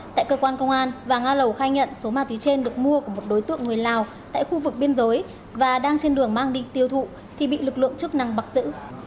tại cơ quan công an và nga lầu khai nhận số ma túy trên được mua của một đối tượng người lào tại khu vực biên giới và đang trên đường mang đi tiêu thụ thì bị lực lượng chức năng bắt giữ